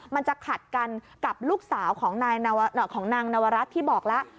มันจะขัดกันกับลูกสาวของนางนวรัฐที่บอกแล้ว